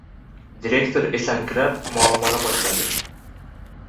Direktor esankirab muomala boshladi: